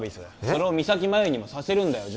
それを三咲麻有にもさせるんだよ